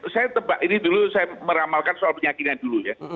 saya tebak ini dulu saya meramalkan soal penyakitnya dulu ya